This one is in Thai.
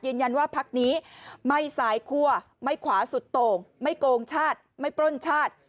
ยืนยันว่าพักนี้ไม่สายคั่วไม่ขวาสุดโต่งไม่โกงชาติไม่ปล้นชาติ